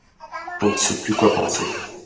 On ne sait plus quoi penser.